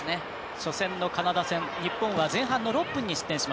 初戦のカナダ戦日本は前半の６分に失点。